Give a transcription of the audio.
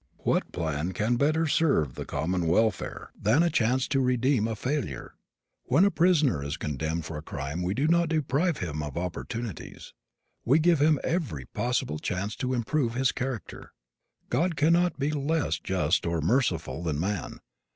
What plan can better serve the common welfare than a chance to redeem a failure? When a prisoner is condemned for a crime we do not deprive him of opportunities. We give him every possible chance to improve his character. God cannot be less just or merciful than man.